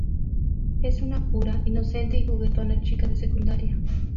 Es una pura, inocente y juguetona chica de secundaria.